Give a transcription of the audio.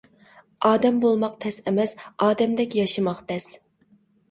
ئادەم بولماق تەس ئەمەس، ئادەمدەك ياشىماق تەس.